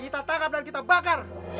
kita tangkap dan kita bakar